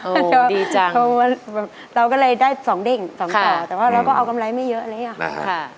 เราก็เลยได้๒เด้ง๒ต่อแต่ว่าเราเราก็เอากำไรไม่เยอะเลย